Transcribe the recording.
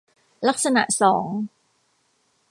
ลักษณะสอง